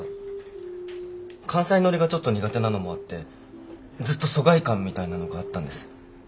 関西ノリがちょっと苦手なのもあってずっと疎外感みたいなのがあったんです。